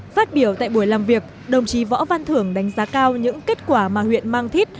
phát biểu tại buổi làm việc đồng chí võ văn thưởng đánh giá cao những kết quả mà huyện mang thít